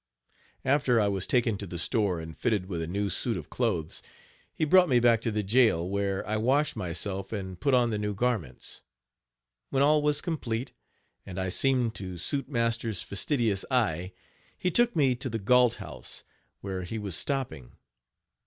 After I was taken to the store and fitted with a new suit of clothes, he brought me back to the jail, where I washed myself and put on the new garments. When all was complete, and I seemed to suit master's fastidious eye, he took me to the Gault House, where he was stopping.